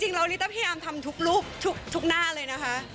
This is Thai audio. เราลิต้าพยายามทำทุกรูปทุกหน้าเลยนะคะ